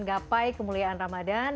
gapai kemuliaan ramadan